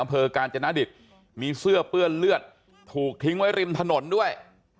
กาญจนดิตมีเสื้อเปื้อนเลือดถูกทิ้งไว้ริมถนนด้วย